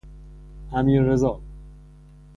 امیررضا